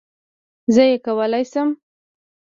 زه یې کولای شم